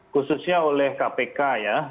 khususnya oleh kpk ya